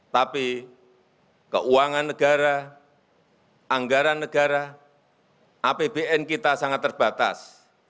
tapi keuangan negara anggaran negara apbn kita sangat terbatas